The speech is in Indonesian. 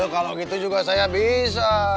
kalau gitu juga saya bisa